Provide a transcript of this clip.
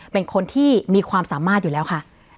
เป็นคนที่มีความสามารถอยู่แล้วค่ะ